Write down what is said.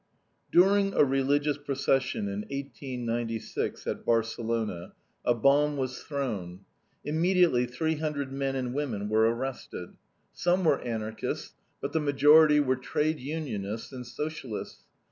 During a religious procession in 1896, at Barcelona, a bomb was thrown. Immediately three hundred men and women were arrested. Some were Anarchists, but the majority were trade unionists and Socialists.